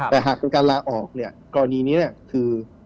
แต่หากคือการลาออกเนี่ยกรณีนี้คือ